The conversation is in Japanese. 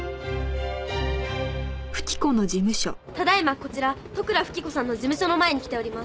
ただ今こちら利倉富貴子さんの事務所の前に来ております。